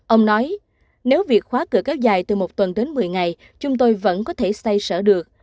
ông nói nếu việc khóa cửa kéo dài từ một tuần đến một mươi ngày chúng tôi vẫn có thể say sở được